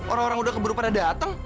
orang orang udah keburu pada datang